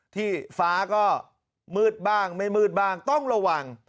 ที่ฟ้าก็มืดบ้างไม่มืดบ้างต้องระวัง